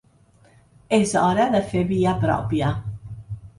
És hora de fer via pròpia.